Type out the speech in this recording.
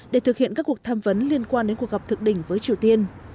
để thực hiện các cuộc tham vấn liên quan đến cuộc gặp thượng đỉnh với triều tiên